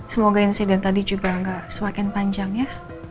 semoga insiden tadi juga gak sewakin panjang ya